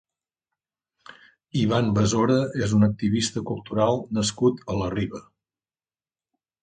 Ivan Besora és un activista cultural nascut a la Riba.